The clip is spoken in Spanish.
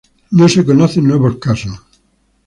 No se conocen nuevos casos.